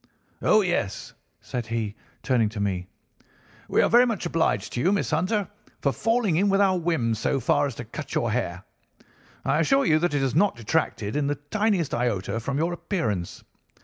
"'Oh, yes,' said he, turning to me, 'we are very much obliged to you, Miss Hunter, for falling in with our whims so far as to cut your hair. I assure you that it has not detracted in the tiniest iota from your appearance.